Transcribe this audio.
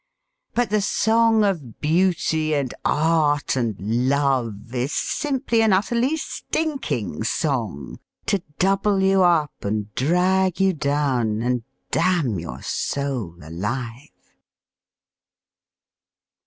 But the song of Beauty and Art and Love Is simply an utterly stinking song, To double you up and drag you down And damn your soul alive.